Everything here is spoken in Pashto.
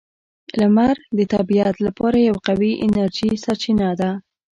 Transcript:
• لمر د طبیعت لپاره یوه قوی انرژي سرچینه ده.